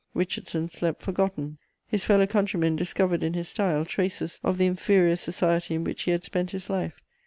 Richardson slept forgotten: his fellow countrymen discovered in his style traces of the inferior society in which he had spent his life.